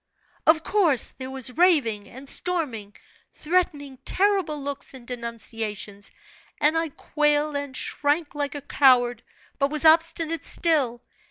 "Of course, there was raving, and storming, threatening, terrible looks and denunciations, and I quailed and shrank like a coward, but was obstinate still.